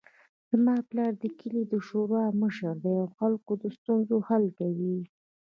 زما پلار د کلي د شورا مشر ده او د خلکو ستونزې حل کوي